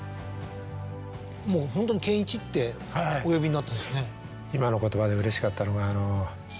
もうホントに「憲一」ってお呼びになってるんですね。